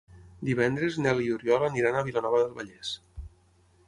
Divendres en Nel i n'Oriol aniran a Vilanova del Vallès.